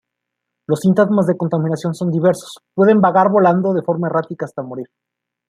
Los síntomas de contaminación son diversos, pueden vagar volando de forma errática hasta morir.